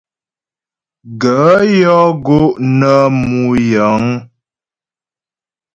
Gaə̂ yɔ́ gó' nə mú yəŋ.